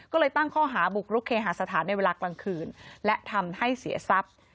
ก็เลยตั้งข้อหาบุกรุกเคหาสถานในเวลากลางคืนและทำให้เสียทรัพย์